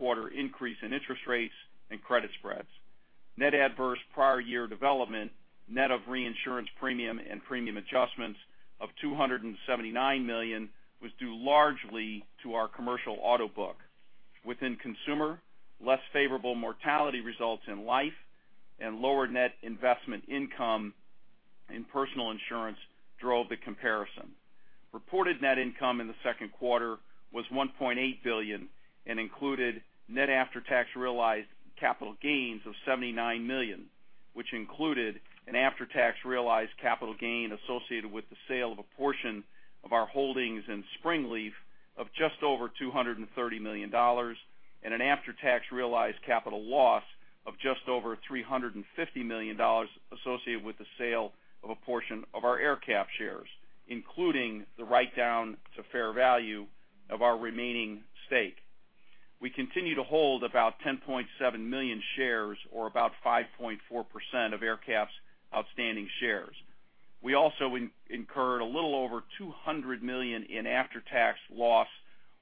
In quarter increase in interest rates and credit spreads. Net adverse prior year development, net of reinsurance premium and premium adjustments of $279 million was due largely to our commercial auto book. Within consumer, less favorable mortality results in life and lower net investment income in personal insurance drove the comparison. Reported net income in the second quarter was $1.8 billion and included net after-tax realized capital gains of $79 million, which included an after-tax realized capital gain associated with the sale of a portion of our holdings in Springleaf of just over $230 million and an after-tax realized capital loss of just over $350 million associated with the sale of a portion of our AerCap shares, including the write-down to fair value of our remaining stake. We continue to hold about 10.7 million shares or about 5.4% of AerCap's outstanding shares. We also incurred a little over $200 million in after-tax loss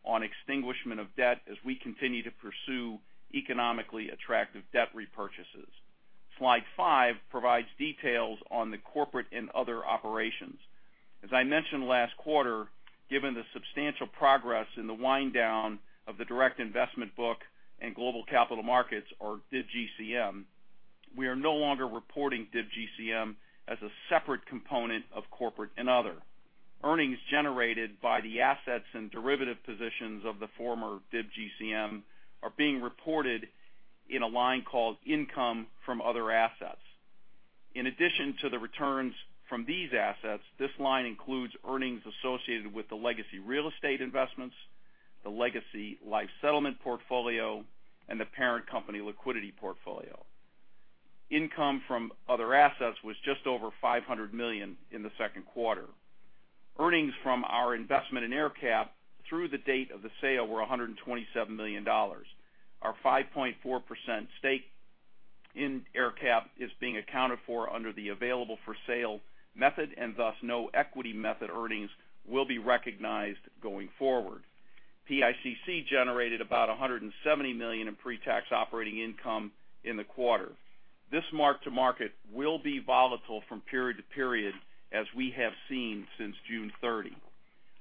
on extinguishment of debt as we continue to pursue economically attractive debt repurchases. Slide five provides details on the corporate and other operations. As I mentioned last quarter, given the substantial progress in the wind down of the Direct Investment Book in Global Capital Markets or DIBGCM, we are no longer reporting DIBGCM as a separate component of corporate and other. Earnings generated by the assets and derivative positions of the former DIBGCM are being reported in a line called income from other assets. In addition to the returns from these assets, this line includes earnings associated with the legacy real estate investments, the legacy life settlement portfolio, and the parent company liquidity portfolio. Income from other assets was just over $500 million in the second quarter. Earnings from our investment in AerCap through the date of the sale were $127 million. Our 5.4% stake in AerCap is being accounted for under the available for sale method, and thus no equity method earnings will be recognized going forward. PICC generated about $170 million in pre-tax operating income in the quarter. This mark to market will be volatile from period to period as we have seen since June 30.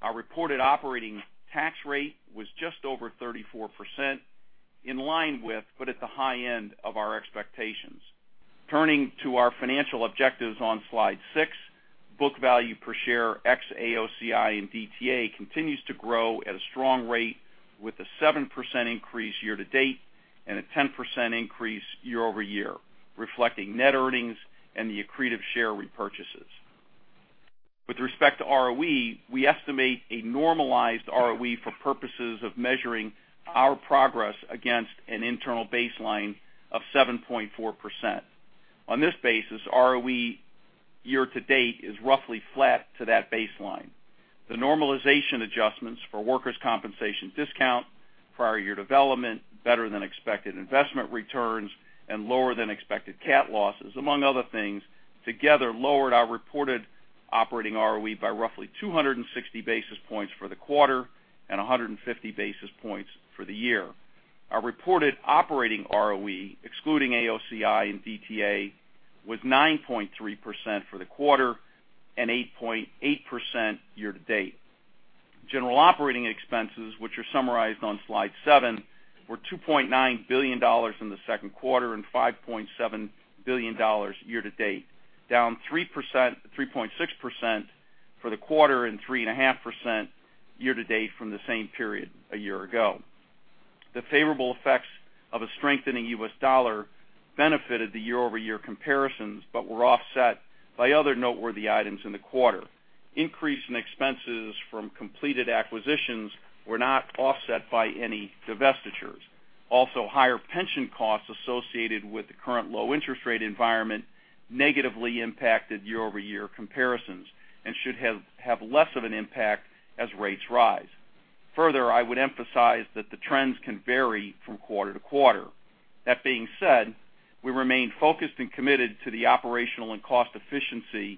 Our reported operating tax rate was just over 34%, in line with but at the high end of our expectations. Turning to our financial objectives on slide six, book value per share ex-AOCI and DTA continues to grow at a strong rate with a 7% increase year to date and a 10% increase year-over-year, reflecting net earnings and the accretive share repurchases. With respect to ROE, we estimate a normalized ROE for purposes of measuring our progress against an internal baseline of 7.4%. On this basis, ROE year to date is roughly flat to that baseline. The normalization adjustments for workers' compensation discount, prior year development, better than expected investment returns, and lower than expected cat losses, among other things, together lowered our reported operating ROE by roughly 260 basis points for the quarter and 150 basis points for the year. Our reported operating ROE, excluding AOCI and DTA, was 9.3% for the quarter and 8.8% year to date. General operating expenses, which are summarized on slide seven, were $2.9 billion in the second quarter and $5.7 billion year to date, down 3.6% for the quarter and 3.5% year to date from the same period a year ago. The favorable effects of a strengthening US dollar benefited the year-over-year comparisons, but were offset by other noteworthy items in the quarter. Increase in expenses from completed acquisitions were not offset by any divestitures. Also, higher pension costs associated with the current low interest rate environment negatively impacted year-over-year comparisons and should have less of an impact as rates rise. Further, I would emphasize that the trends can vary from quarter to quarter. That being said, we remain focused and committed to the operational and cost efficiency.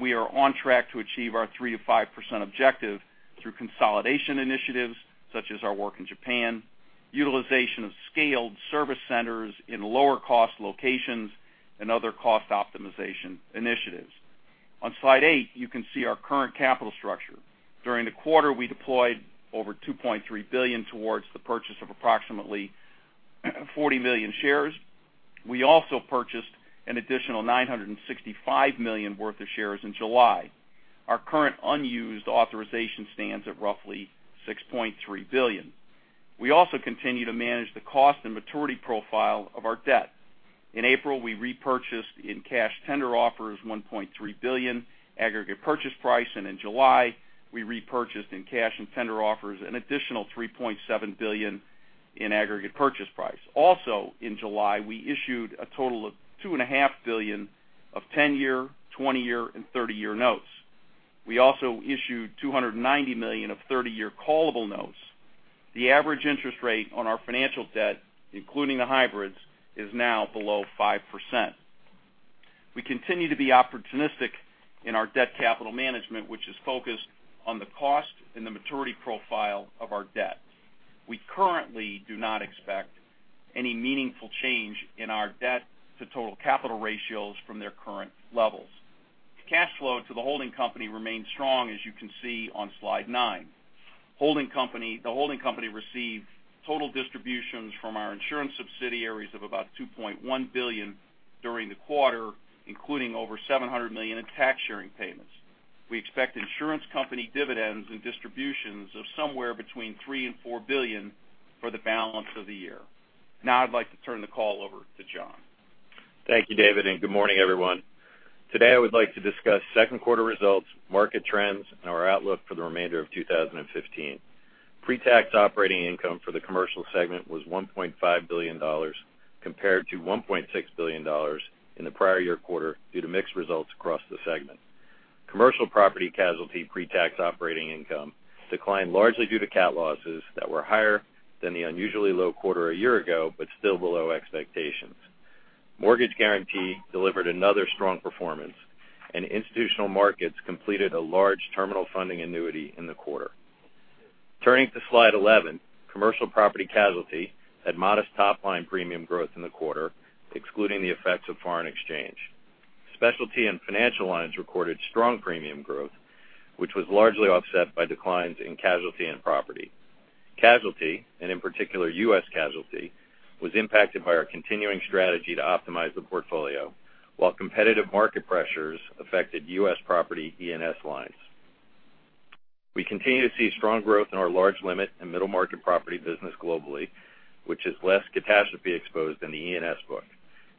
We are on track to achieve our 3%-5% objective through consolidation initiatives such as our work in Japan, utilization of scaled service centers in lower cost locations, and other cost optimization initiatives. On slide eight, you can see our current capital structure. During the quarter, we deployed over $2.3 billion towards the purchase of approximately 40 million shares. We also purchased an additional $965 million worth of shares in July. Our current unused authorization stands at roughly $6.3 billion. We also continue to manage the cost and maturity profile of our debt. In April, we repurchased in cash tender offers $1.3 billion aggregate purchase price. In July, we repurchased in cash and tender offers an additional $3.7 billion in aggregate purchase price. Also in July, we issued a total of $2.5 billion of 10-year, 20-year, and 30-year notes. We also issued $290 million of 30-year callable notes. The average interest rate on our financial debt, including the hybrids, is now below 5%. We continue to be opportunistic in our debt capital management, which is focused on the cost and the maturity profile of our debt. We currently do not expect any meaningful change in our debt to total capital ratios from their current levels. Cash flow to the holding company remains strong, as you can see on slide nine. The holding company received total distributions from our insurance subsidiaries of about $2.1 billion during the quarter, including over $700 million in tax sharing payments. We expect insurance company dividends and distributions of somewhere between $3 billion and $4 billion for the balance of the year. Now I'd like to turn the call over to John. Thank you, David, and good morning, everyone. Today I would like to discuss second quarter results, market trends, and our outlook for the remainder of 2015. Pre-tax operating income for the Commercial segment was $1.5 billion compared to $1.6 billion in the prior year quarter due to mixed results across the segment. Commercial Property Casualty pre-tax operating income declined largely due to cat losses that were higher than the unusually low quarter a year ago, but still below expectations. Mortgage Guarantee delivered another strong performance, and Institutional Markets completed a large terminal funding annuity in the quarter. Turning to slide 11, Commercial Property Casualty had modest top-line premium growth in the quarter, excluding the effects of foreign exchange. Specialty and Financial Lines recorded strong premium growth, which was largely offset by declines in Casualty and Property. Casualty, in particular, U.S. casualty, was impacted by our continuing strategy to optimize the portfolio, while competitive market pressures affected U.S. property E&S lines. We continue to see strong growth in our large limit and middle market property business globally, which is less catastrophe exposed than the E&S book.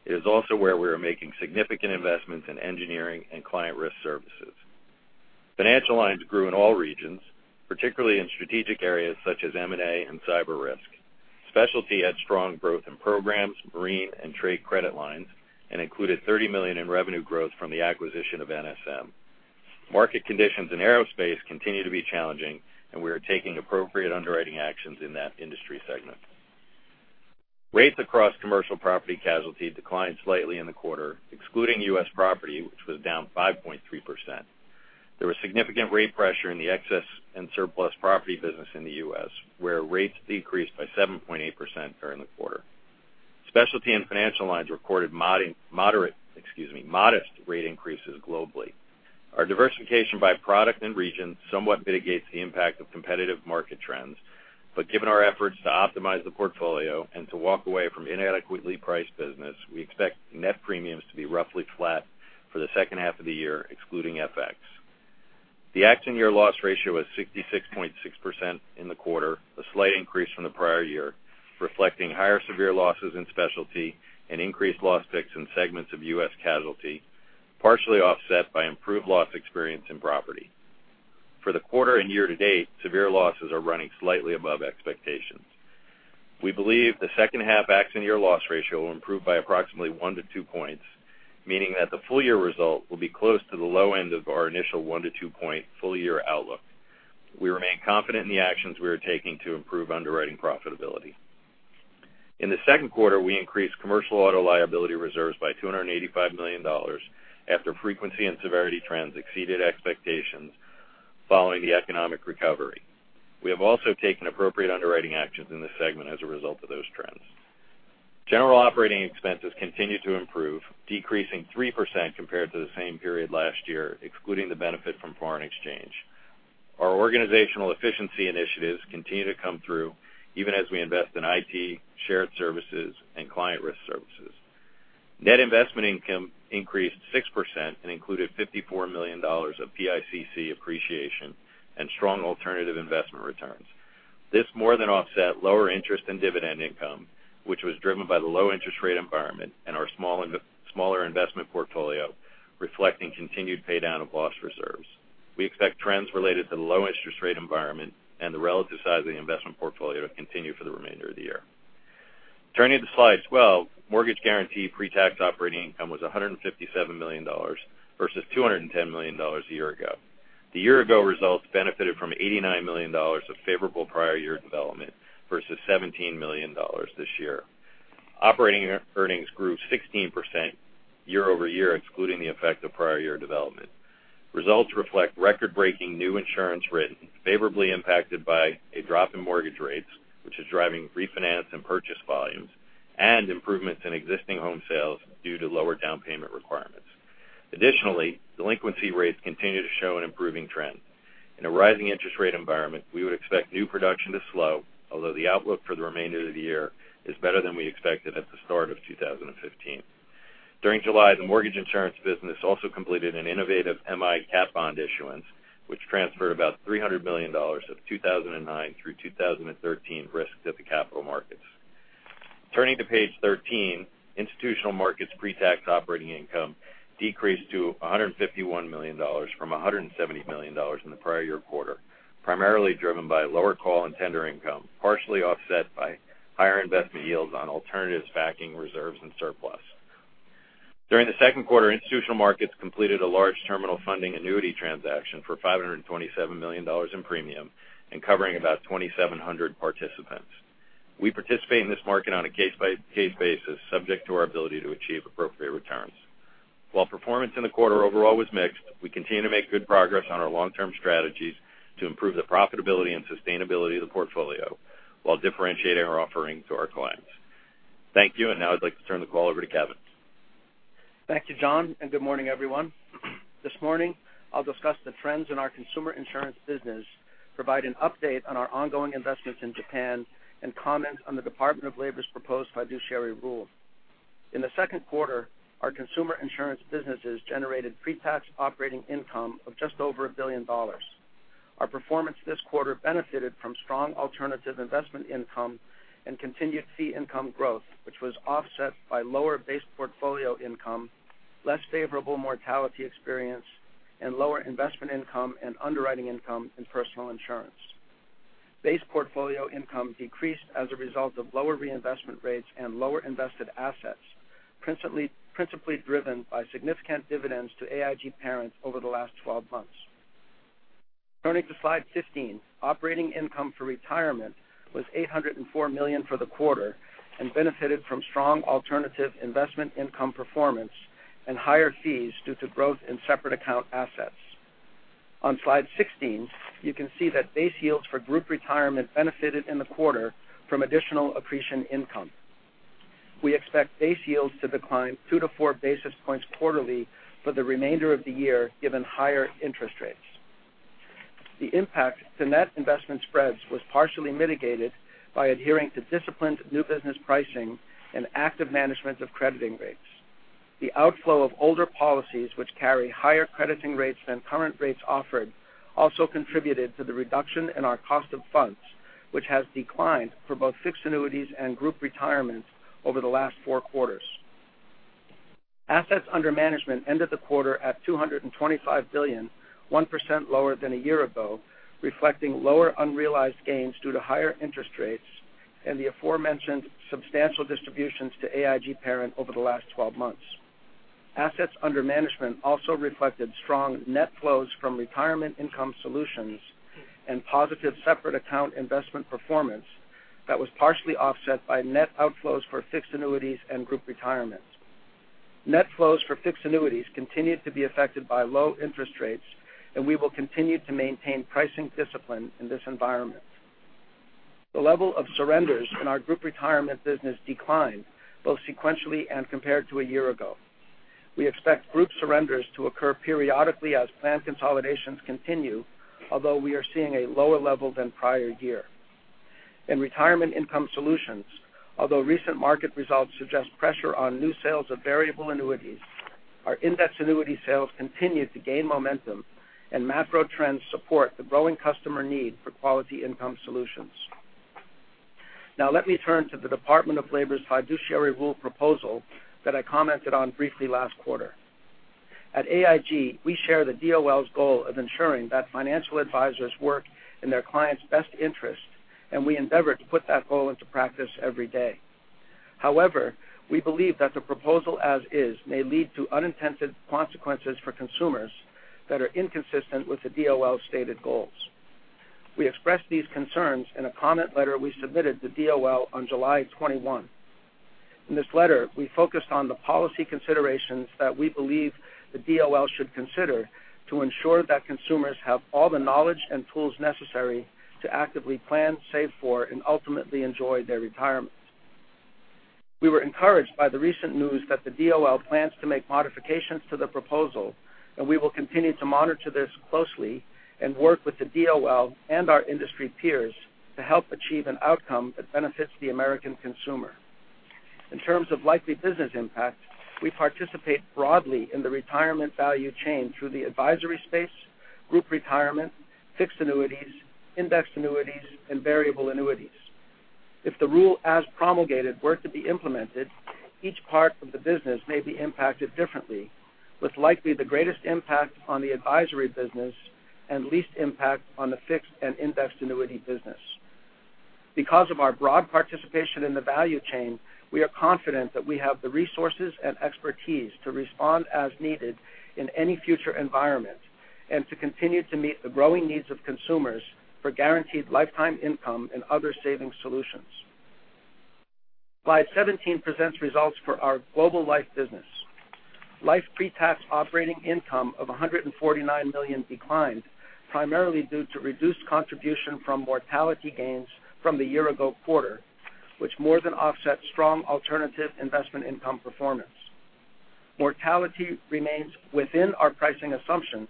It is also where we are making significant investments in engineering and client risk services. Financial lines grew in all regions, particularly in strategic areas such as M&A and cyber risk. Specialty had strong growth in programs, marine, and trade credit lines, included $30 million in revenue growth from the acquisition of NSM. Market conditions in aerospace continue to be challenging, and we are taking appropriate underwriting actions in that industry segment. Rates across commercial property casualty declined slightly in the quarter, excluding U.S. property, which was down 5.3%. There was significant rate pressure in the excess and surplus property business in the U.S., where rates decreased by 7.8% during the quarter. Specialty and financial lines recorded modest rate increases globally. Our diversification by product and region somewhat mitigates the impact of competitive market trends. Given our efforts to optimize the portfolio and to walk away from inadequately priced business, we expect net premiums to be roughly flat for the second half of the year, excluding FX. The accident year loss ratio was 66.6% in the quarter, a slight increase from the prior year, reflecting higher severe losses in specialty and increased loss picks in segments of U.S. casualty, partially offset by improved loss experience in property. For the quarter and year to date, severe losses are running slightly above expectations. We believe the second half accident year loss ratio will improve by approximately 1 to 2 points, meaning that the full year result will be close to the low end of our initial 1 to 2 point full year outlook. We remain confident in the actions we are taking to improve underwriting profitability. In the second quarter, we increased commercial auto liability reserves by $285 million after frequency and severity trends exceeded expectations following the economic recovery. We have also taken appropriate underwriting actions in this segment as a result of those trends. General operating expenses continued to improve, decreasing 3% compared to the same period last year, excluding the benefit from foreign exchange. Our organizational efficiency initiatives continue to come through even as we invest in IT, shared services, and client risk services. Net investment income increased 6% and included $54 million of PICC appreciation and strong alternative investment returns. This more than offset lower interest in dividend income, which was driven by the low interest rate environment and our smaller investment portfolio, reflecting continued paydown of loss reserves. We expect trends related to the low interest rate environment and the relative size of the investment portfolio to continue for the remainder of the year. Turning to slide 12, mortgage guarantee pre-tax operating income was $157 million versus $210 million a year ago. The year-over-year results benefited from $89 million of favorable prior year development versus $17 million this year. Operating earnings grew 16% year-over-year, excluding the effect of prior year development. Results reflect record-breaking new insurance written favorably impacted by a drop in mortgage rates, which is driving refinance and purchase volumes and improvements in existing home sales due to lower down payment requirements. Additionally, delinquency rates continue to show an improving trend. In a rising interest rate environment, we would expect new production to slow, although the outlook for the remainder of the year is better than we expected at the start of 2015. During July, the mortgage insurance business also completed an innovative MI tap bond issuance, which transferred about $300 million of 2009 through 2013 risks at the capital markets. Turning to page 13, institutional markets pre-tax operating income decreased to $151 million from $170 million in the prior year quarter, primarily driven by lower call and tender income, partially offset by higher investment yields on alternatives backing reserves and surplus. During the second quarter, institutional markets completed a large terminal funding annuity transaction for $527 million in premium and covering about 2,700 participants. We participate in this market on a case-by-case basis, subject to our ability to achieve appropriate returns. While performance in the quarter overall was mixed, we continue to make good progress on our long-term strategies to improve the profitability and sustainability of the portfolio while differentiating our offering to our clients. Thank you, and now I'd like to turn the call over to Kevin. Thank you, John. Good morning, everyone. This morning, I'll discuss the trends in our consumer insurance business, provide an update on our ongoing investments in Japan, and comment on the Department of Labor's proposed fiduciary rule. In the second quarter, our consumer insurance businesses generated pre-tax operating income of just over $1 billion. Our performance this quarter benefited from strong alternative investment income and continued fee income growth, which was offset by lower base portfolio income, less favorable mortality experience, and lower investment income and underwriting income in personal insurance. Base portfolio income decreased as a result of lower reinvestment rates and lower invested assets, principally driven by significant dividends to AIG Parent over the last 12 months. Turning to slide 15, operating income for retirement was $804 million for the quarter and benefited from strong alternative investment income performance and higher fees due to growth in separate account assets. On slide 16, you can see that base yields for group retirement benefited in the quarter from additional accretion income. We expect base yields to decline two to four basis points quarterly for the remainder of the year, given higher interest rates. The impact to net investment spreads was partially mitigated by adhering to disciplined new business pricing and active management of crediting rates. The outflow of older policies, which carry higher crediting rates than current rates offered, also contributed to the reduction in our cost of funds, which has declined for both fixed annuities and group retirements over the last four quarters. Assets under management ended the quarter at $225 billion, 1% lower than a year ago, reflecting lower unrealized gains due to higher interest rates and the aforementioned substantial distributions to AIG Parent over the last 12 months. Assets under management also reflected strong net flows from retirement income solutions and positive separate account investment performance that was partially offset by net outflows for fixed annuities and group retirements. Net flows for fixed annuities continued to be affected by low interest rates, and we will continue to maintain pricing discipline in this environment. The level of surrenders in our group retirement business declined both sequentially and compared to a year ago. We expect group surrenders to occur periodically as plan consolidations continue, although we are seeing a lower level than prior year. In retirement income solutions, although recent market results suggest pressure on new sales of variable annuities, our indexed annuity sales continued to gain momentum and macro trends support the growing customer need for quality income solutions. Now let me turn to the Department of Labor's fiduciary rule proposal that I commented on briefly last quarter. At AIG, we share the DOL's goal of ensuring that financial advisors work in their clients' best interest, and we endeavor to put that goal into practice every day. However, we believe that the proposal as is may lead to unintended consequences for consumers that are inconsistent with the DOL's stated goals. We expressed these concerns in a comment letter we submitted to DOL on July 21. In this letter, we focused on the policy considerations that we believe the DOL should consider to ensure that consumers have all the knowledge and tools necessary to actively plan, save for, and ultimately enjoy their retirement. We were encouraged by the recent news that the DOL plans to make modifications to the proposal, and we will continue to monitor this closely and work with the DOL and our industry peers to help achieve an outcome that benefits the American consumer. In terms of likely business impact, we participate broadly in the retirement value chain through the advisory space, group retirement, fixed annuities, indexed annuities, and variable annuities. If the rule as promulgated were to be implemented, each part of the business may be impacted differently, with likely the greatest impact on the advisory business and least impact on the fixed and indexed annuity business. Because of our broad participation in the value chain, we are confident that we have the resources and expertise to respond as needed in any future environment and to continue to meet the growing needs of consumers for guaranteed lifetime income and other saving solutions. Slide 17 presents results for our global life business. Life pre-tax operating income of $149 million declined, primarily due to reduced contribution from mortality gains from the year-ago quarter, which more than offset strong alternative investment income performance. Mortality remains within our pricing assumptions,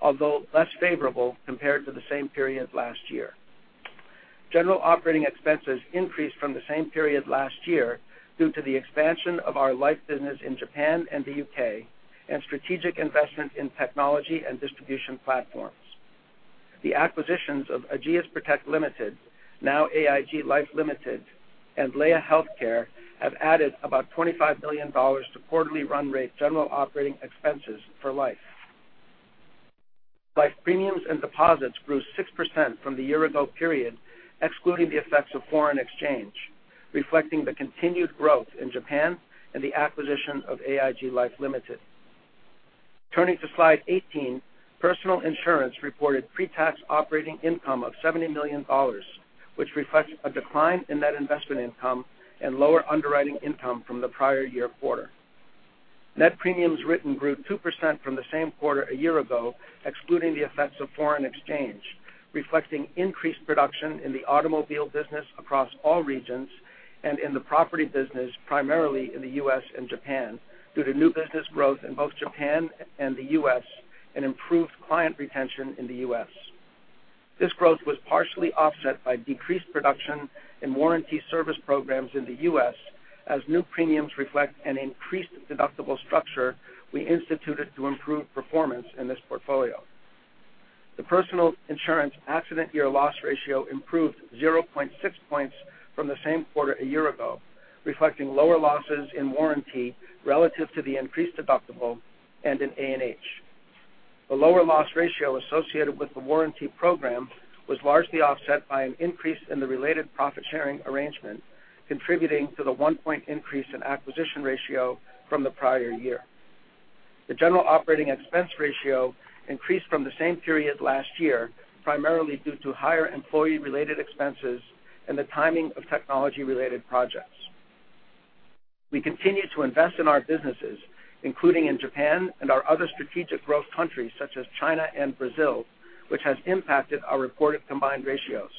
although less favorable compared to the same period last year. General operating expenses increased from the same period last year due to the expansion of our life business in Japan and the U.K. and strategic investments in technology and distribution platforms. The acquisitions of Ageas Protect Limited, now AIG Life Limited, and Laya Healthcare have added about $25 million to quarterly run rate general operating expenses for Life. Life premiums and deposits grew 6% from the year-ago period, excluding the effects of foreign exchange, reflecting the continued growth in Japan and the acquisition of AIG Life Limited. Turning to slide 18, personal insurance reported pre-tax operating income of $70 million, which reflects a decline in net investment income and lower underwriting income from the prior year quarter. Net premiums written grew 2% from the same quarter a year ago, excluding the effects of foreign exchange, reflecting increased production in the automobile business across all regions and in the property business, primarily in the U.S. and Japan, due to new business growth in both Japan and the U.S. and improved client retention in the U.S. This growth was partially offset by decreased production in warranty service programs in the U.S. as new premiums reflect an increased deductible structure we instituted to improve performance in this portfolio. The personal insurance accident year loss ratio improved 0.6 points from the same quarter a year ago, reflecting lower losses in warranty relative to the increased deductible and in A&H. The lower loss ratio associated with the warranty program was largely offset by an increase in the related profit-sharing arrangement, contributing to the one-point increase in acquisition ratio from the prior year. The general operating expense ratio increased from the same period last year, primarily due to higher employee-related expenses and the timing of technology-related projects. We continue to invest in our businesses, including in Japan and our other strategic growth countries such as China and Brazil, which has impacted our reported combined ratios.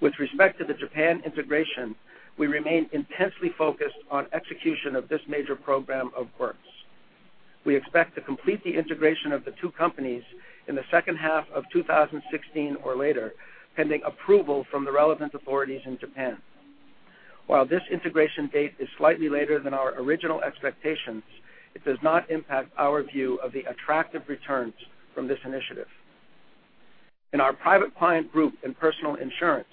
With respect to the Japan integration, we remain intensely focused on execution of this major program of works. We expect to complete the integration of the two companies in the second half of 2016 or later, pending approval from the relevant authorities in Japan. While this integration date is slightly later than our original expectations, it does not impact our view of the attractive returns from this initiative. In our private client group in personal insurance,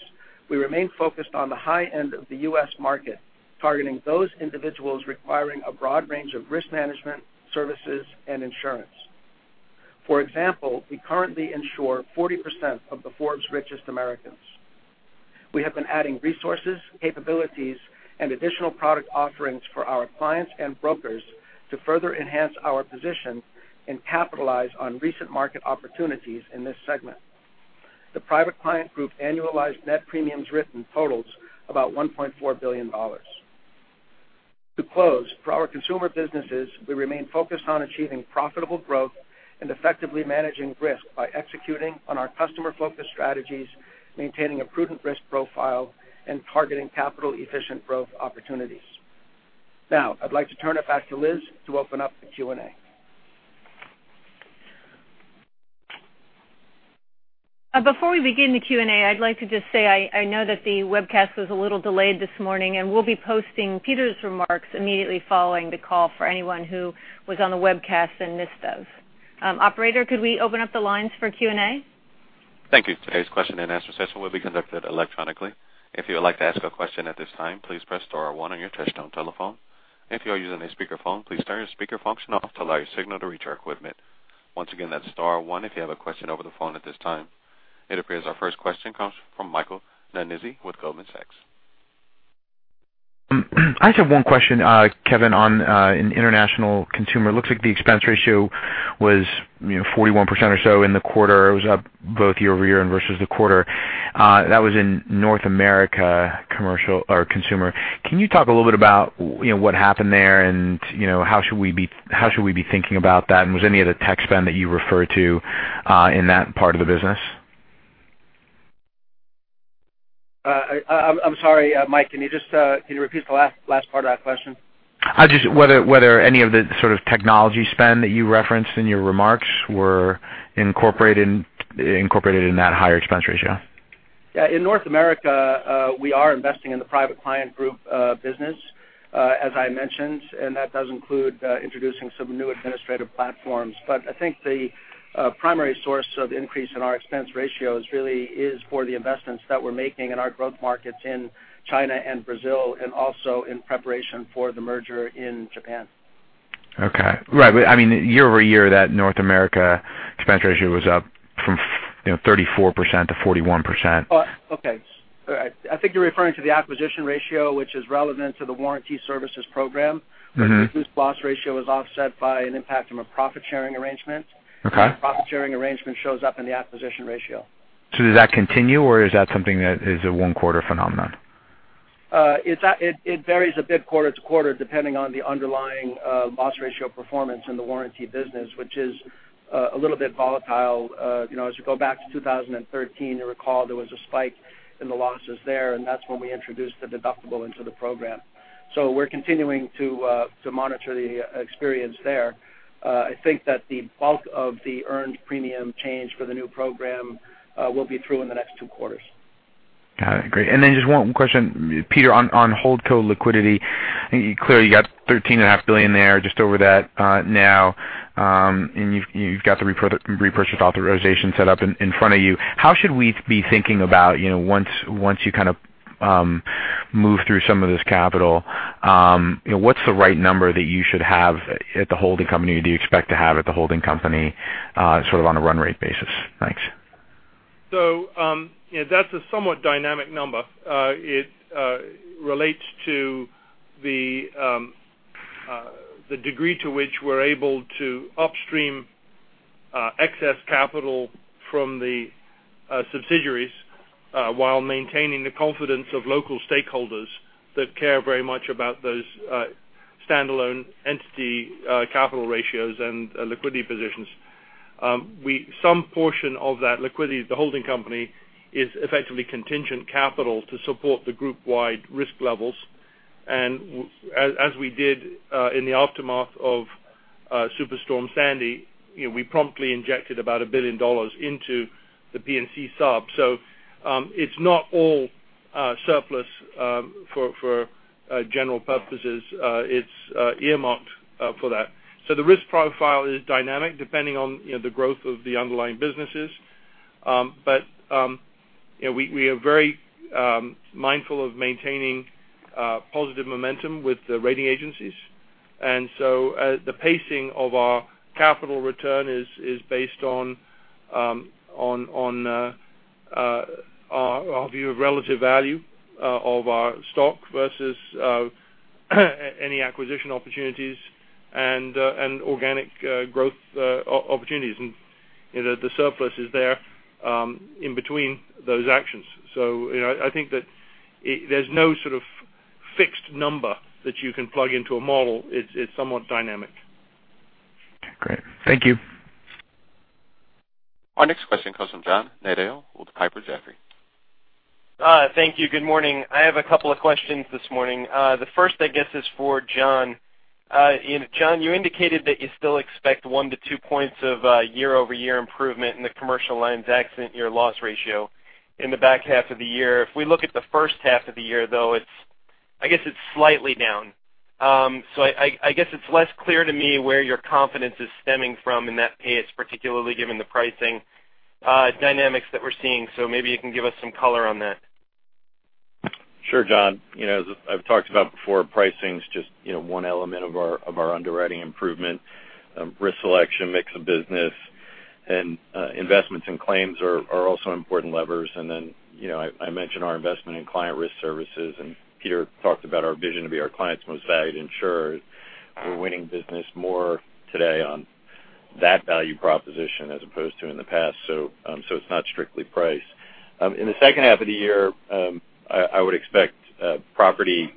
we remain focused on the high end of the U.S. market, targeting those individuals requiring a broad range of risk management services and insurance. For example, we currently insure 40% of the Forbes richest Americans. We have been adding resources, capabilities, and additional product offerings for our clients and brokers to further enhance our position and capitalize on recent market opportunities in this segment. The private client group annualized net premiums written totals about $1.4 billion. To close, for our consumer businesses, we remain focused on achieving profitable growth and effectively managing risk by executing on our customer-focused strategies, maintaining a prudent risk profile, and targeting capital-efficient growth opportunities. I'd like to turn it back to Liz to open up the Q&A. Before we begin the Q&A, I'd like to just say I know that the webcast was a little delayed this morning, and we'll be posting Peter's remarks immediately following the call for anyone who was on the webcast and missed those. Operator, could we open up the lines for Q&A? Thank you. Today's question and answer session will be conducted electronically. If you would like to ask a question at this time, please press star one on your touchtone telephone. If you are using a speakerphone, please turn your speaker function off to allow your signal to reach our equipment. Once again, that's star one if you have a question over the phone at this time. It appears our first question comes from Michael Nannizzi with Goldman Sachs. I just have one question, Kevin, on international consumer. Looks like the expense ratio was 41% or so in the quarter. It was up both year-over-year and versus the quarter. That was in North America consumer. Can you talk a little bit about what happened there and how should we be thinking about that, and was any of the tech spend that you referred to in that part of the business? I'm sorry, Mike, can you repeat the last part of that question? Whether any of the sort of technology spend that you referenced in your remarks were incorporated in that higher expense ratio. Yeah. In North America, we are investing in the private client group business, as I mentioned, and that does include introducing some new administrative platforms. I think the primary source of increase in our expense ratio really is for the investments that we're making in our growth markets in China and Brazil and also in preparation for the merger in Japan. Okay. Right. Year-over-year, that North America expense ratio was up from 34%-41%. Okay. I think you're referring to the acquisition ratio, which is relevant to the warranty services program. Where the increased loss ratio was offset by an impact from a profit-sharing arrangement. Okay. Profit-sharing arrangement shows up in the acquisition ratio. Does that continue, or is that something that is a one-quarter phenomenon? It varies a bit quarter to quarter, depending on the underlying loss ratio performance in the warranty business, which is a little bit volatile. As you go back to 2013, you'll recall there was a spike in the losses there, and that's when we introduced the deductible into the program. We're continuing to monitor the experience there. I think that the bulk of the earned premium change for the new program will be through in the next two quarters. Got it. Great. Just one question, Peter, on holdco liquidity. Clearly, you got $13.5 billion there, just over that now, and you've got the repurchase authorization set up in front of you. How should we be thinking about once you kind of move through some of this capital, what's the right number that you should have at the holding company? Do you expect to have at the holding company sort of on a run rate basis? Thanks. That's a somewhat dynamic number. It relates to the degree to which we're able to upstream excess capital from the subsidiaries while maintaining the confidence of local stakeholders that care very much about those standalone entity capital ratios and liquidity positions. Some portion of that liquidity at the holding company is effectively contingent capital to support the group-wide risk levels. As we did in the aftermath of Superstorm Sandy, we promptly injected about $1 billion into the P&C sub. It's not all surplus for general purposes. It's earmarked for that. The risk profile is dynamic depending on the growth of the underlying businesses. We are very mindful of maintaining positive momentum with the rating agencies. The pacing of our capital return is based on our view of relative value of our stock versus any acquisition opportunities and organic growth opportunities. The surplus is there in between those actions. I think that there's no sort of fixed number that you can plug into a model. It's somewhat dynamic. Great. Thank you. Our next question comes from John Nadel with Piper Jaffray. Thank you. Good morning. I have a couple of questions this morning. The first, I guess, is for John. John, you indicated that you still expect one to two points of year-over-year improvement in the commercial lines accident year loss ratio in the back half of the year. If we look at the first half of the year, though, I guess it's slightly down. I guess it's less clear to me where your confidence is stemming from in that pace, particularly given the pricing dynamics that we're seeing. Maybe you can give us some color on that. Sure, John. As I've talked about before, pricing's just one element of our underwriting improvement. Risk selection, mix of business, and investments in claims are also important levers. Then, I mentioned our investment in client risk services, and Peter talked about our vision to be our clients' most valued insurer. We're winning business more today on that value proposition as opposed to in the past. It's not strictly price. In the second half of the year, I would expect property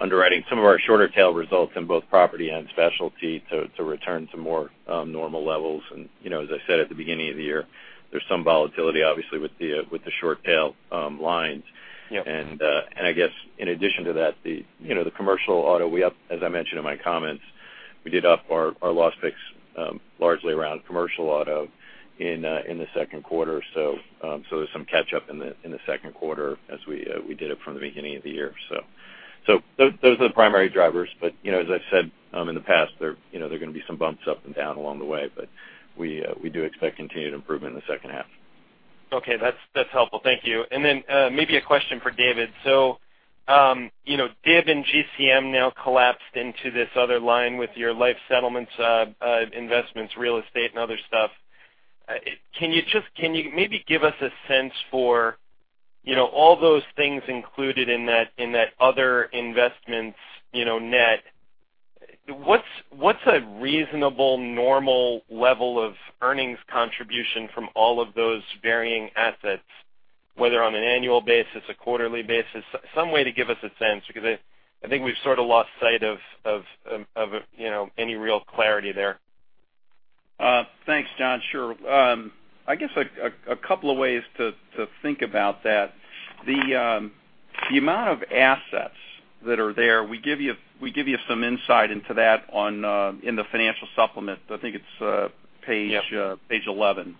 underwriting, some of our shorter tail results in both property and specialty to return to more normal levels. As I said at the beginning of the year, there's some volatility, obviously, with the short tail lines. Yep. I guess in addition to that, the commercial auto, as I mentioned in my comments, we did up our loss picks largely around commercial auto in the second quarter. There's some catch up in the second quarter as we did it from the beginning of the year. Those are the primary drivers. As I've said in the past, there are going to be some bumps up and down along the way, but we do expect continued improvement in the second half. Okay. That's helpful. Thank you. Maybe a question for David. DIB and GCM now collapsed into this other line with your life settlements, investments, real estate, and other stuff. Can you maybe give us a sense for all those things included in that other investments net? What's a reasonable, normal level of earnings contribution from all of those varying assets, whether on an annual basis, a quarterly basis, some way to give us a sense, because I think we've sort of lost sight of any real clarity there. Thanks, John. Sure. I guess a couple of ways to think about that. The amount of assets that are there, we give you some insight into that in the financial supplement. I think it's page- Yep page 11.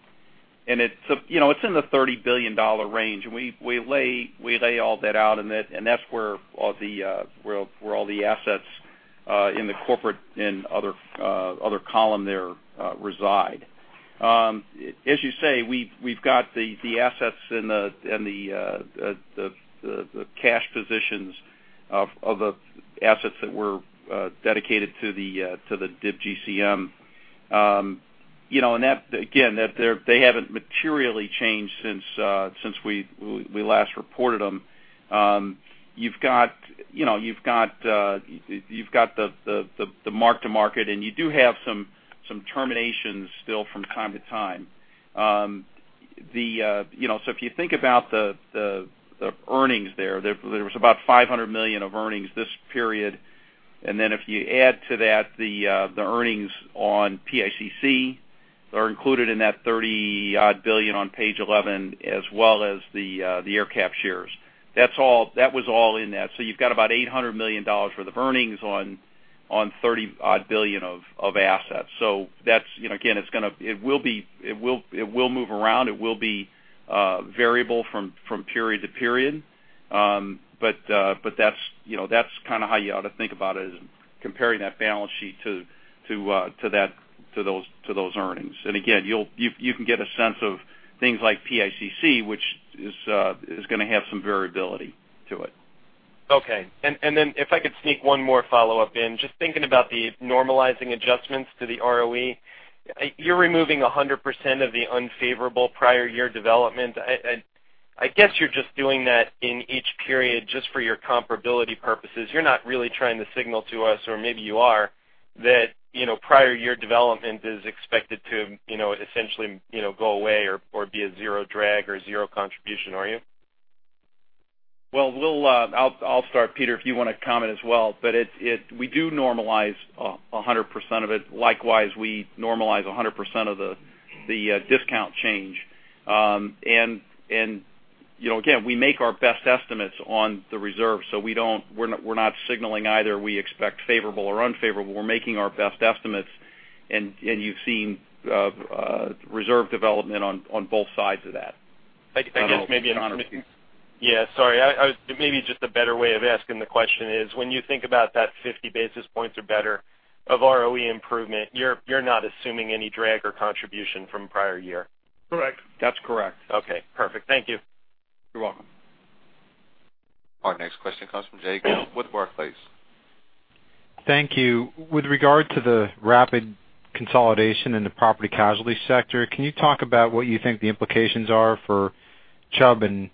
It's in the $30 billion range, and we lay all that out, and that's where all the assets in the corporate and other column there reside. As you say, we've got the assets and the cash positions of the assets that were dedicated to the DIB GCM. Again, they haven't materially changed since we last reported them. You've got the mark to market, and you do have some terminations still from time to time. If you think about the earnings there was about $500 million of earnings this period, and then if you add to that the earnings on PICC are included in that $30 odd billion on page 11, as well as the AerCap shares. That was all in that. You've got about $800 million worth of earnings on $30 odd billion of assets. Again, it will move around. It will be variable from period to period. That's kind of how you ought to think about it, is comparing that balance sheet to those earnings. Again, you can get a sense of things like PICC, which is going to have some variability to it. Okay. If I could sneak one more follow-up in. Just thinking about the normalizing adjustments to the ROE, you're removing 100% of the unfavorable prior year development. I guess you're just doing that in each period just for your comparability purposes. You're not really trying to signal to us, or maybe you are, that prior year development is expected to essentially go away or be a zero drag or zero contribution, are you? Well, I'll start, Peter, if you want to comment as well. We do normalize 100% of it. Likewise, we normalize 100% of the discount change. Again, we make our best estimates on the reserve. We're not signaling either we expect favorable or unfavorable. We're making our best estimates. You've seen reserve development on both sides of that. I don't know, Connor, if you- Yeah, sorry. Maybe just a better way of asking the question is, when you think about that 50 basis points or better of ROE improvement, you're not assuming any drag or contribution from prior year? Correct. That's correct. Okay, perfect. Thank you. You're welcome. Our next question comes from Jay Gelb with Barclays. Thank you. With regard to the rapid consolidation in the property casualty sector, can you talk about what you think the implications are for Chubb and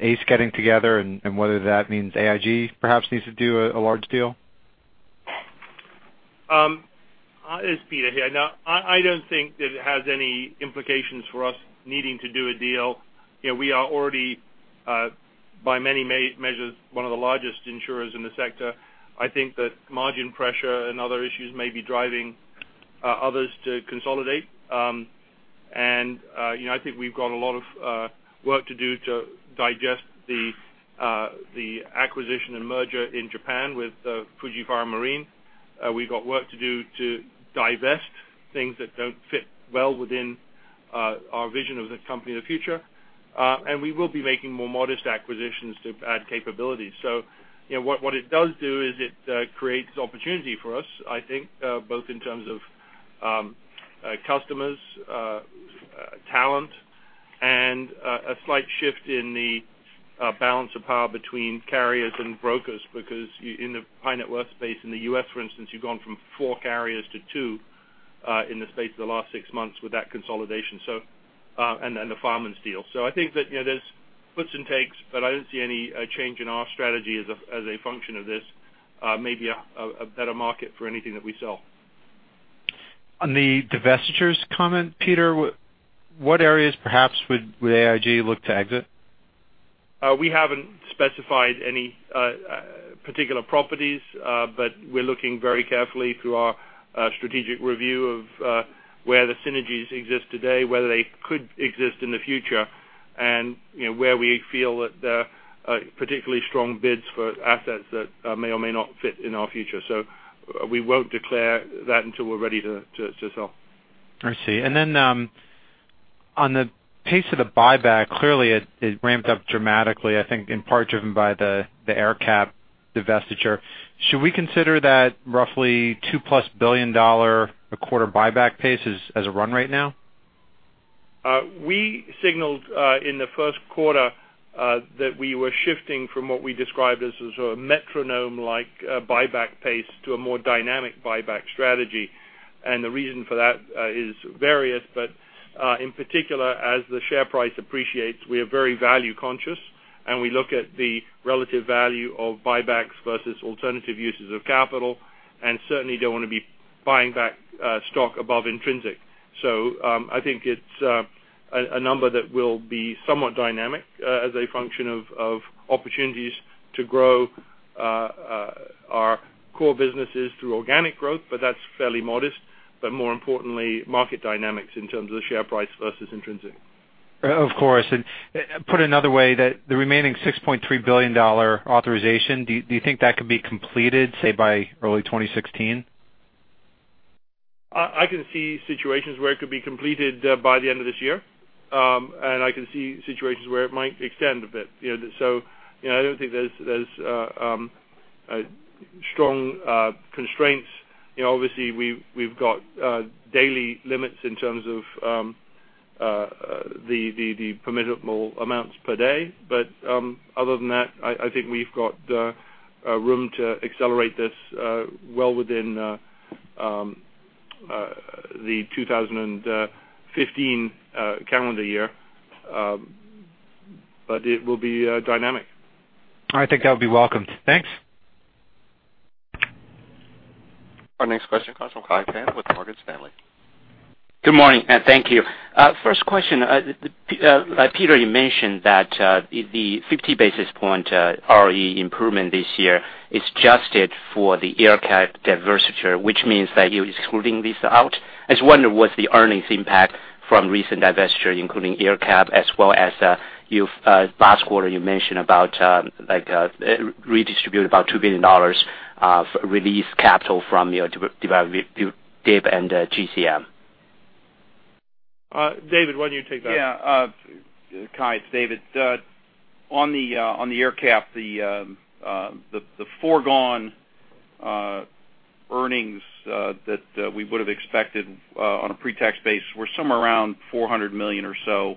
Ace getting together and whether that means AIG perhaps needs to do a large deal? It's Peter here. No, I don't think that it has any implications for us needing to do a deal. We are already, by many measures, one of the largest insurers in the sector. I think that margin pressure and other issues may be driving others to consolidate. I think we've got a lot of work to do to digest the acquisition and merger in Japan with Fuji Fire and Marine. We've got work to do to divest things that don't fit well within our vision of the company of the future. We will be making more modest acquisitions to add capabilities. What it does do is it creates opportunity for us, I think, both in terms of customers, talent, and a slight shift in the balance of power between carriers and brokers, because in the high net worth space in the U.S., for instance, you've gone from four carriers to two in the space of the last six months with that consolidation and the Fireman's Fund deal. I think that there's puts and takes, but I don't see any change in our strategy as a function of this. Maybe a better market for anything that we sell. On the divestitures comment, Peter, what areas perhaps would AIG look to exit? We haven't specified any particular properties, but we're looking very carefully through our strategic review of where the synergies exist today, whether they could exist in the future, and where we feel that there are particularly strong bids for assets that may or may not fit in our future. We won't declare that until we're ready to sell. I see. On the pace of the buyback, clearly it ramped up dramatically, I think in part driven by the AerCap divestiture. Should we consider that roughly $2-plus billion a quarter buyback pace as a run rate now? We signaled in the first quarter that we were shifting from what we described as a metronome like buyback pace to a more dynamic buyback strategy. The reason for that is various, but in particular, as the share price appreciates, we are very value conscious, and we look at the relative value of buybacks versus alternative uses of capital and certainly don't want to be buying back stock above intrinsic. I think it's a number that will be somewhat dynamic as a function of opportunities to grow our core businesses through organic growth, but that's fairly modest, but more importantly, market dynamics in terms of the share price versus intrinsic. Of course. Put another way, the remaining $6.3 billion authorization, do you think that could be completed, say, by early 2016? I can see situations where it could be completed by the end of this year. I can see situations where it might extend a bit. I don't think there's strong constraints. Obviously we've got daily limits in terms of the permissible amounts per day. Other than that, I think we've got room to accelerate this well within the 2015 calendar year. It will be dynamic. I think that would be welcomed. Thanks. Our next question comes from Kai Pan with Morgan Stanley. Good morning, and thank you. First question. Peter, you mentioned that the 50 basis point ROE improvement this year is adjusted for the AerCap divestiture, which means that you're excluding this out. I just wonder what's the earnings impact from recent divestiture, including AerCap as well as last quarter you mentioned about redistribute about $2 billion of released capital from your DIB and GCM. David, why don't you take that? Kai, it's David. On the AerCap, the foregone earnings that we would have expected on a pre-tax base were somewhere around $400 million or so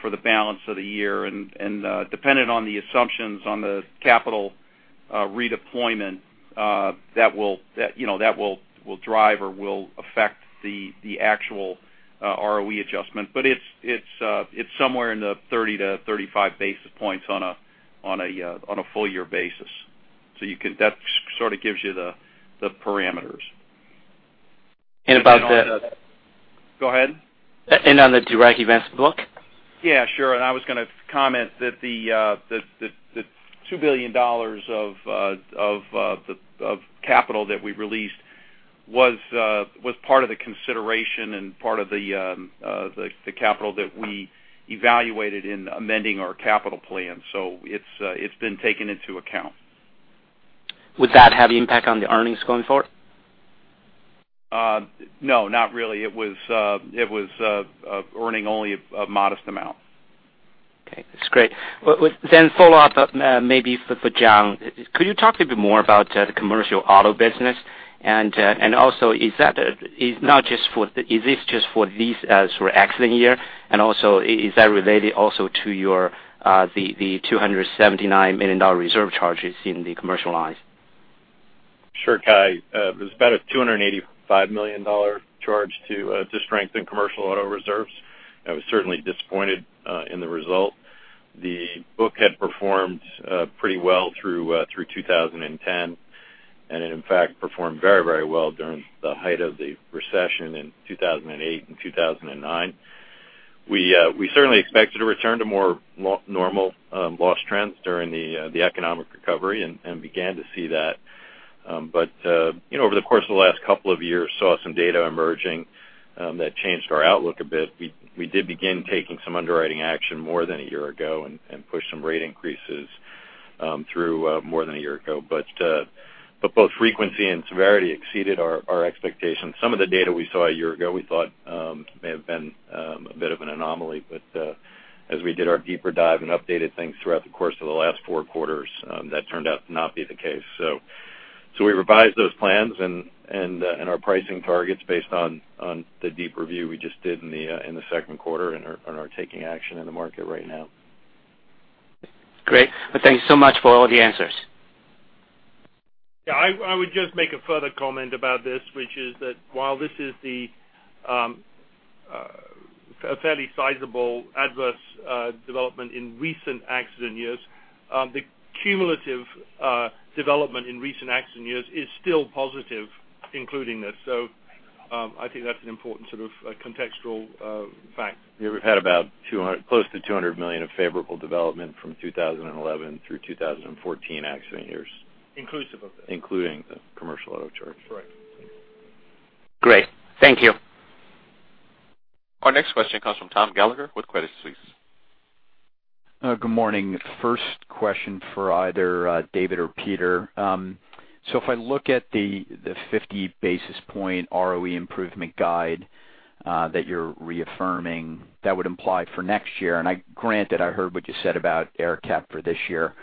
for the balance of the year. Dependent on the assumptions on the capital redeployment, that will drive or will affect the actual ROE adjustment. It's somewhere in the 30-35 basis points on a full year basis. That sort of gives you the parameters. About the- Go ahead. On the direct investment book? Yeah, sure. I was going to comment that the $2 billion of capital that we released was part of the consideration and part of the capital that we evaluated in amending our capital plan. It's been taken into account. Would that have impact on the earnings going forward? No, not really. It was earning only a modest amount. Okay, that's great. A follow-up, maybe for John. Could you talk a bit more about the commercial auto business? Also, is this just for these sort of accident year, and also is that related also to the $279 million reserve charges in the commercial lines? Sure, Kai. It was about a $285 million charge to strengthen commercial auto reserves. I was certainly disappointed in the result. The book had performed pretty well through 2010, and it in fact performed very well during the height of the recession in 2008 and 2009. We certainly expected a return to more normal loss trends during the economic recovery and began to see that. Over the course of the last couple of years, saw some data emerging that changed our outlook a bit. We did begin taking some underwriting action more than a year ago and pushed some rate increases through more than a year ago. Both frequency and severity exceeded our expectations. Some of the data we saw a year ago, we thought may have been a bit of an anomaly. As we did our deeper dive and updated things throughout the course of the last four quarters, that turned out to not be the case. We revised those plans and our pricing targets based on the deep review we just did in the second quarter and are taking action in the market right now. Great. Well, thank you so much for all the answers. Yeah, I would just make a further comment about this, which is that while this is a fairly sizable adverse development in recent accident years, the cumulative development in recent accident years is still positive, including this. I think that's an important sort of contextual fact. Yeah, we've had about close to $200 million of favorable development from 2011 through 2014 accident years. Inclusive of this. Including the commercial auto charge. Correct. Great. Thank you. Our next question comes from Thomas Gallagher with Credit Suisse. Good morning. First question for either David or Peter. If I look at the 50 basis point ROE improvement guide that you're reaffirming, that would imply for next year, and granted, I heard what you said about AerCap for this year.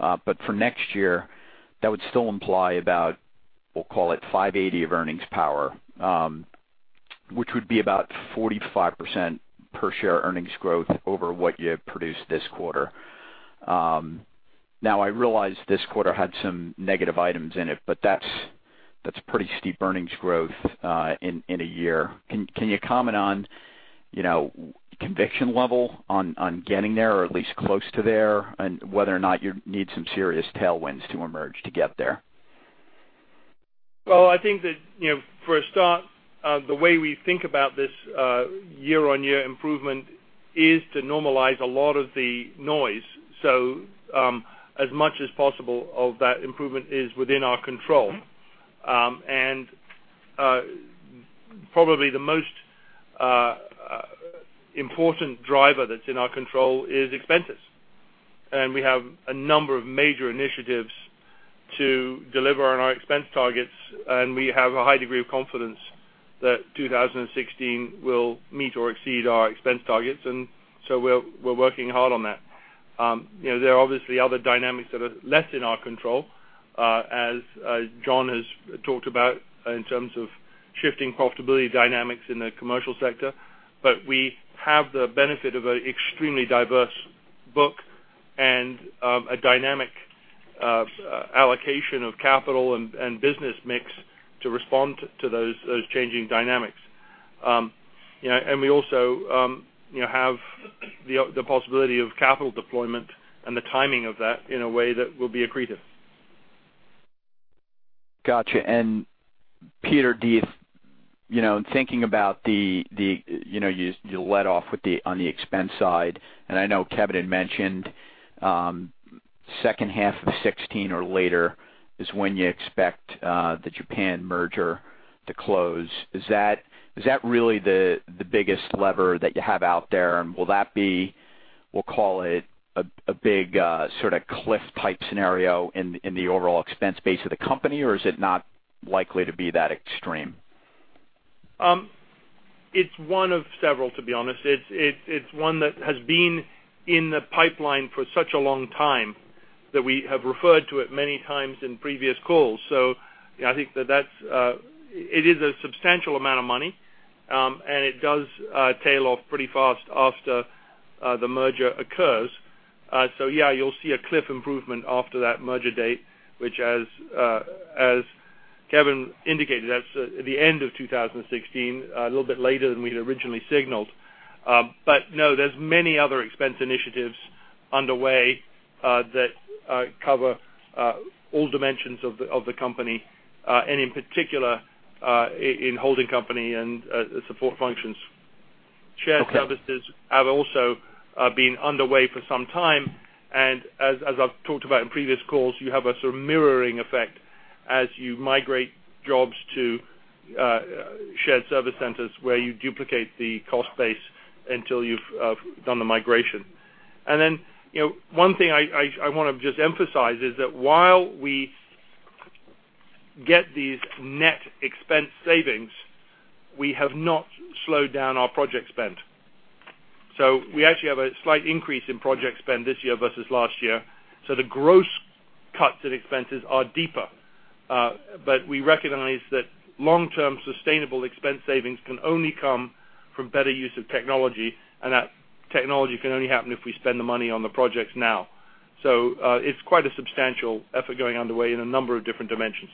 For next year, that would still imply about, we'll call it $580 of earnings power, which would be about 45% per share earnings growth over what you had produced this quarter. I realize this quarter had some negative items in it, but that's pretty steep earnings growth in a year. Can you comment on conviction level on getting there or at least close to there, and whether or not you need some serious tailwinds to emerge to get there? I think that for a start, the way we think about this year-on-year improvement is to normalize a lot of the noise. As much as possible of that improvement is within our control. Probably the most important driver that's in our control is expenses. We have a number of major initiatives to deliver on our expense targets, and we have a high degree of confidence that 2016 will meet or exceed our expense targets, we're working hard on that. There are obviously other dynamics that are less in our control, as John has talked about in terms of shifting profitability dynamics in the commercial sector. We have the benefit of an extremely diverse book and a dynamic allocation of capital and business mix to respond to those changing dynamics. We also have the possibility of capital deployment and the timing of that in a way that will be accretive. Got you. Peter, in thinking about the let off on the expense side, I know Kevin had mentioned second half of 2016 or later is when you expect the Japan merger to close. Is that really the biggest lever that you have out there? Will that be, we'll call it, a big sort of cliff type scenario in the overall expense base of the company or is it not likely to be that extreme? It's one of several, to be honest. It's one that has been in the pipeline for such a long time that we have referred to it many times in previous calls. I think that it is a substantial amount of money, and it does tail off pretty fast after the merger occurs. Yeah, you'll see a cliff improvement after that merger date, which as Kevin indicated, that's the end of 2016, a little bit later than we had originally signaled. No, there's many other expense initiatives underway that cover all dimensions of the company, and in particular, in holding company and support functions. Okay. Shared services have also been underway for some time, and as I've talked about in previous calls, you have a sort of mirroring effect as you migrate jobs to shared service centers where you duplicate the cost base until you've done the migration. One thing I want to just emphasize is that while we get these net expense savings, we have not slowed down our project spend. We actually have a slight increase in project spend this year versus last year. The gross cuts in expenses are deeper. We recognize that long-term sustainable expense savings can only come from better use of technology, and that technology can only happen if we spend the money on the projects now. It's quite a substantial effort going underway in a number of different dimensions.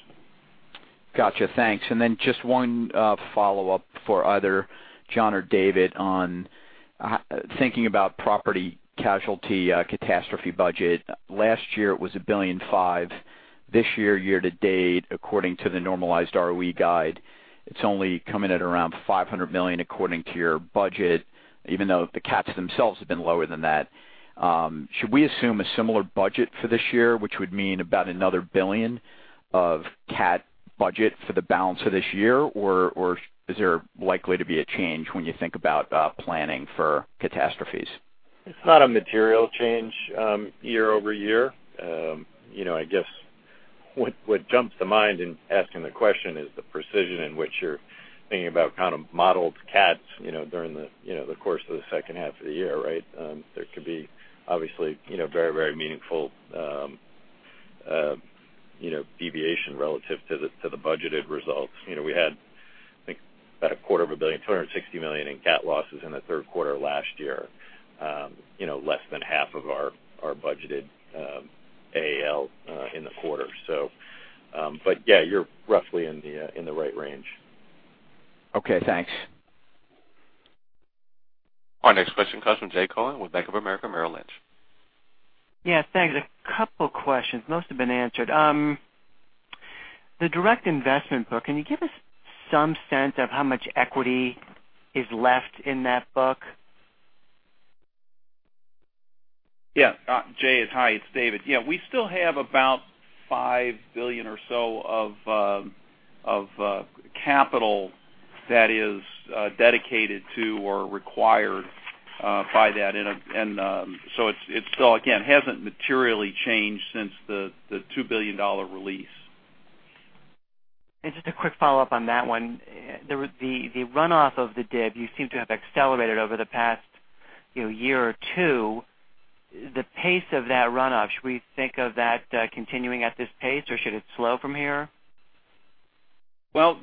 Got you. Thanks. Just one follow-up for either John or David on thinking about property casualty catastrophe budget. Last year, it was $1.5 billion. This year to date, according to the normalized ROE guide, it's only coming at around $500 million according to your budget, even though the cats themselves have been lower than that. Should we assume a similar budget for this year, which would mean about another $1 billion of cat budget for the balance of this year? Or is there likely to be a change when you think about planning for catastrophes? It's not a material change year-over-year. I guess what jumps to mind in asking the question is the precision in which you're thinking about kind of modeled cats during the course of the second half of the year, right? There could be obviously very meaningful deviation relative to the budgeted results. We had, I think, about a quarter of a billion, $260 million in cat losses in the third quarter last year, less than half of our budgeted AAL in the quarter. Yeah, you're roughly in the right range. Okay, thanks. Our next question comes from Jay Cohen with Bank of America Merrill Lynch. Yeah, thanks. A couple questions, most have been answered. The Direct Investment Book, can you give us some sense of how much equity is left in that book? Yeah. Jay, hi, it's David. Yeah, we still have about $5 billion or so of capital that is dedicated to or required by that. It, again, hasn't materially changed since the $2 billion release. Just a quick follow-up on that one. The runoff of the DIB, you seem to have accelerated over the past year or two. The pace of that runoff, should we think of that continuing at this pace, or should it slow from here? Well,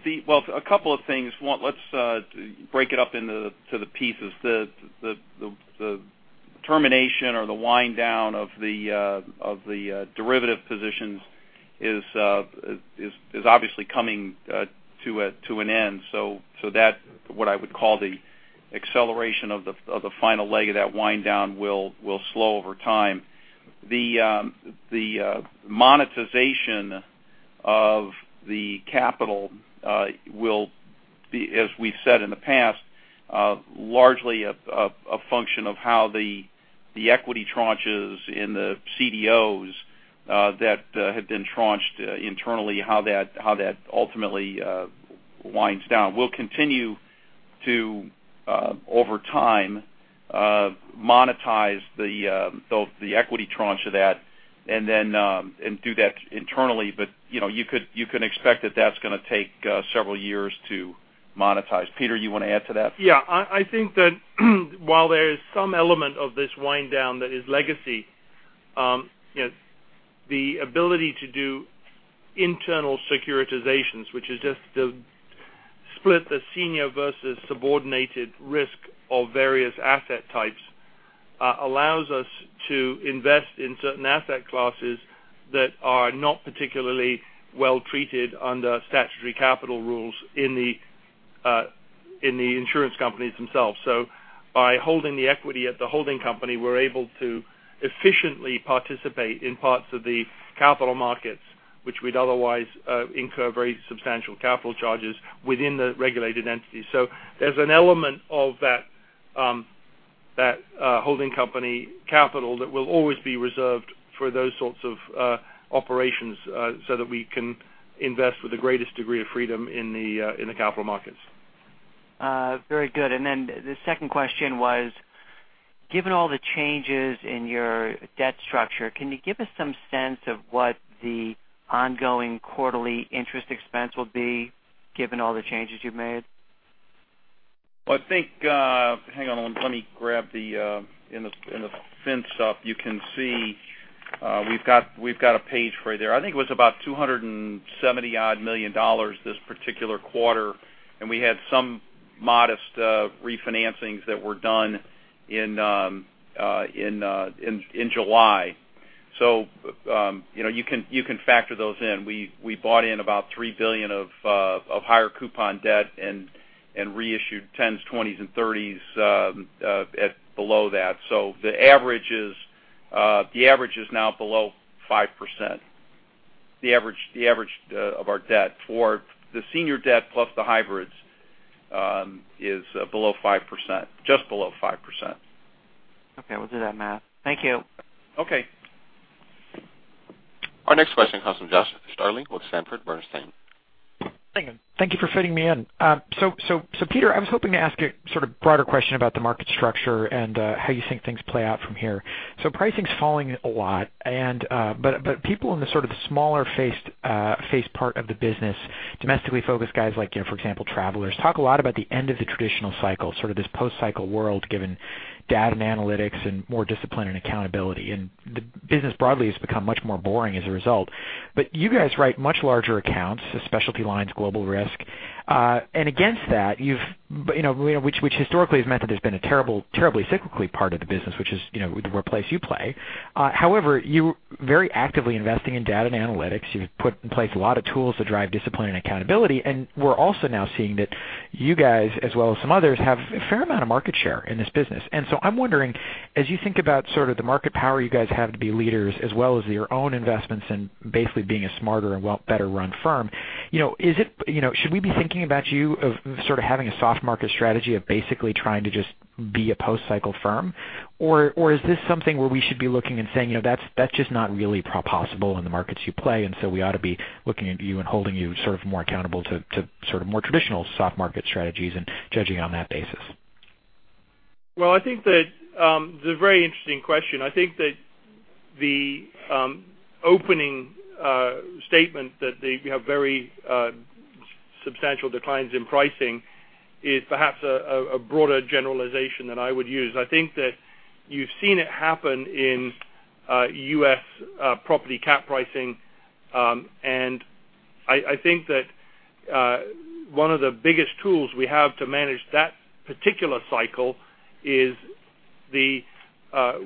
a couple of things. Let's break it up into the pieces. The termination or the wind down of the derivative positions is obviously coming to an end. That, what I would call the acceleration of the final leg of that wind down will slow over time. The monetization of the capital will be, as we've said in the past, largely a function of how the equity tranches in the CDOs that have been tranched internally, how that ultimately winds down. We'll continue to, over time, monetize the equity tranche of that and do that internally. You can expect that that's going to take several years to monetize. Peter, you want to add to that? Yeah. I think that while there is some element of this wind down that is legacy, the ability to do internal securitizations, which is just to split the senior versus subordinated risk of various asset types, allows us to invest in certain asset classes that are not particularly well treated under statutory capital rules in the insurance companies themselves. By holding the equity at the holding company, we're able to efficiently participate in parts of the capital markets, which would otherwise incur very substantial capital charges within the regulated entity. There's an element of that holding company capital that will always be reserved for those sorts of operations, so that we can invest with the greatest degree of freedom in the capital markets. Very good. The second question was Given all the changes in your debt structure, can you give us some sense of what the ongoing quarterly interest expense will be, given all the changes you've made? Well, I think. Hang on. Let me grab the, in the fin supp, you can see we've got a page for there. I think it was about $270 million this particular quarter. We had some modest refinancings that were done in July. You can factor those in. We bought in about $3 billion of higher coupon debt and reissued 10s, 20s, and 30s at below that. The average is now below 5%. The average of our debt for the senior debt plus the hybrids, is below 5%, just below 5%. Okay. We'll do that math. Thank you. Okay. Our next question comes from Josh Stirling with Sanford Bernstein. Thank you for fitting me in. Peter, I was hoping to ask you sort of broader question about the market structure and how you think things play out from here. Pricing's falling a lot, but people in the sort of smaller faced part of the business, domestically focused guys like, for example, Travelers, talk a lot about the end of the traditional cycle, sort of this post-cycle world given data and analytics and more discipline and accountability. The business broadly has become much more boring as a result. You guys write much larger accounts, the specialty lines, global risk. Against that, which historically has meant that there's been a terribly cyclical part of the business, which is the workplace you play. However, you're very actively investing in data and analytics. You've put in place a lot of tools to drive discipline and accountability. We're also now seeing that you guys, as well as some others, have a fair amount of market share in this business. I'm wondering, as you think about sort of the market power you guys have to be leaders as well as your own investments in basically being a smarter and better run firm, should we be thinking about you of sort of having a soft market strategy of basically trying to just be a post-cycle firm? Or is this something where we should be looking and saying, "That's just not really possible in the markets you play, we ought to be looking at you and holding you sort of more accountable to sort of more traditional soft market strategies and judging on that basis"? Well, I think that it's a very interesting question. I think that the opening statement that they have very substantial declines in pricing is perhaps a broader generalization than I would use. I think that you've seen it happen in U.S. property cat pricing, I think that one of the biggest tools we have to manage that particular cycle is the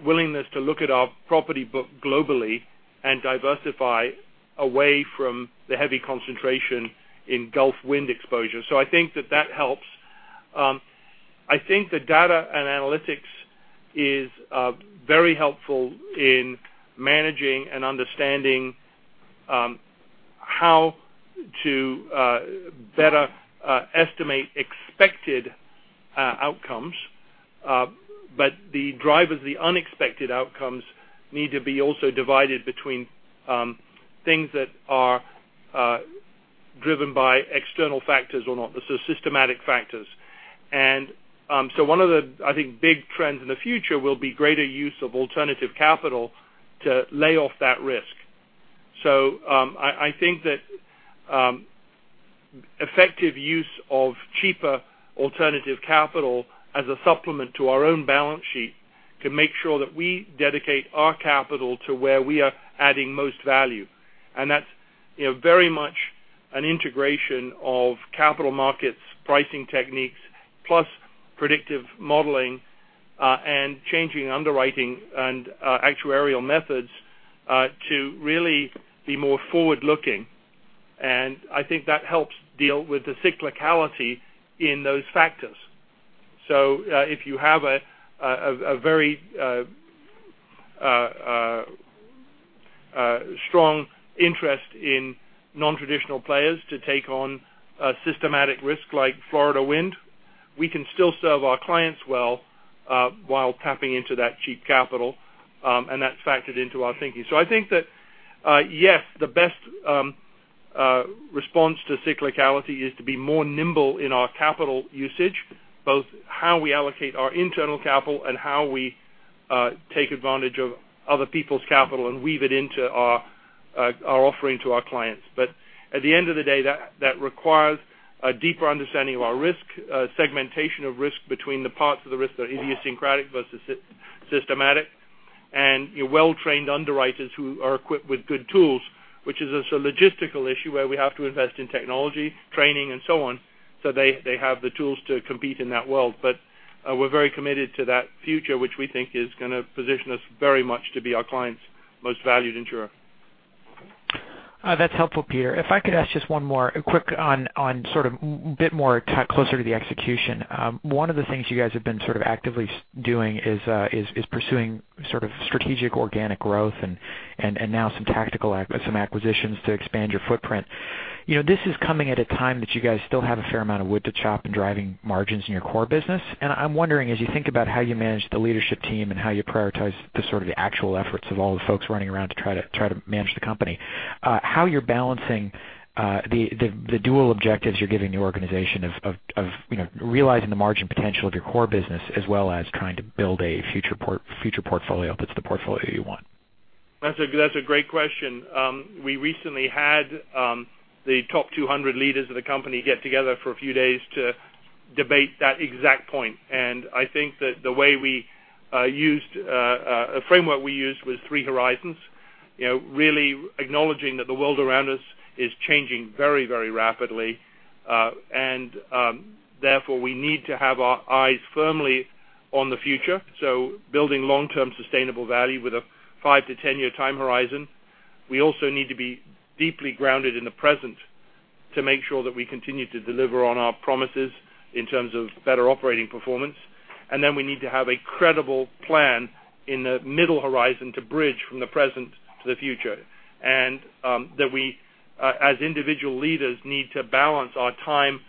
willingness to look at our property book globally and diversify away from the heavy concentration in Gulf wind exposure. I think that that helps. I think the data and analytics is very helpful in managing and understanding how to better estimate expected outcomes. The drivers of the unexpected outcomes need to be also divided between things that are driven by external factors or not, systematic factors. One of the, I think, big trends in the future will be greater use of alternative capital to lay off that risk. I think that effective use of cheaper alternative capital as a supplement to our own balance sheet can make sure that we dedicate our capital to where we are adding most value. That's very much an integration of capital markets pricing techniques plus predictive modeling, and changing underwriting and actuarial methods, to really be more forward-looking. I think that helps deal with the cyclicality in those factors. If you have a very strong interest in non-traditional players to take on a systematic risk like Florida wind, we can still serve our clients well, while tapping into that cheap capital, and that's factored into our thinking. I think that, yes, the best response to cyclicality is to be more nimble in our capital usage, both how we allocate our internal capital and how we take advantage of other people's capital and weave it into our offering to our clients. At the end of the day, that requires a deeper understanding of our risk, segmentation of risk between the parts of the risk that are idiosyncratic versus systematic, and well-trained underwriters who are equipped with good tools, which is a logistical issue where we have to invest in technology, training, and so on, so they have the tools to compete in that world. We're very committed to that future, which we think is going to position us very much to be our clients' most valued insurer. That's helpful, Peter. If I could ask just one more quick on sort of bit more closer to the execution. One of the things you guys have been sort of actively doing is pursuing sort of strategic organic growth and now some tactical, some acquisitions to expand your footprint. This is coming at a time that you guys still have a fair amount of wood to chop in driving margins in your core business. I'm wondering, as you think about how you manage the leadership team and how you prioritize the sort of the actual efforts of all the folks running around to try to manage the company, how you're balancing the dual objectives you're giving the organization of realizing the margin potential of your core business as well as trying to build a future portfolio that's the portfolio you want? That's a great question. We recently had the top 200 leaders of the company get together for a few days to debate that exact point. I think that the framework we used was three horizons. Really acknowledging that the world around us is changing very rapidly. Therefore, we need to have our eyes firmly on the future. Building long-term sustainable value with a five to 10-year time horizon. We also need to be deeply grounded in the present to make sure that we continue to deliver on our promises in terms of better operating performance. Then we need to have a credible plan in the middle horizon to bridge from the present to the future. That we, as individual leaders, need to balance our time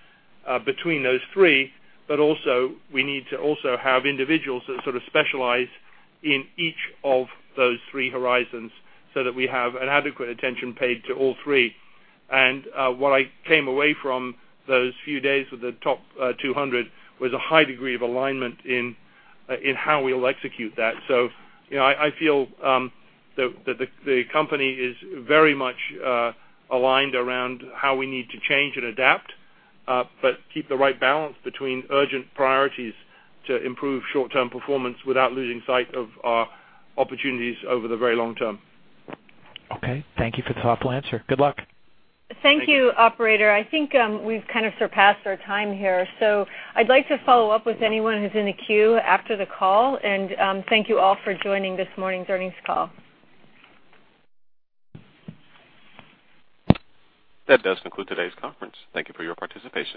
between those three, but also we need to also have individuals that sort of specialize in each of those three horizons so that we have an adequate attention paid to all three. What I came away from those few days with the top 200 was a high degree of alignment in how we'll execute that. I feel that the company is very much aligned around how we need to change and adapt, but keep the right balance between urgent priorities to improve short-term performance without losing sight of our opportunities over the very long term. Okay. Thank you for the thoughtful answer. Good luck. Thank you, operator. I think we've kind of surpassed our time here. I'd like to follow up with anyone who's in the queue after the call, and thank you all for joining this morning's earnings call. That does conclude today's conference. Thank you for your participation.